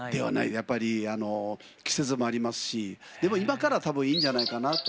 やっぱり季節もありますしでも今から多分いいんじゃないかなと。